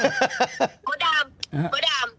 โมดาม